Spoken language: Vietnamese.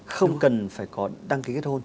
không cần phải có đăng ký kết hôn